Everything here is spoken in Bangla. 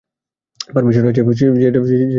পারমিশন আছে, যেইটা আমরা দিবো না।